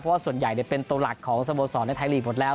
เพราะว่าส่วนใหญ่เป็นตัวหลักของสโมสรในไทยลีกหมดแล้ว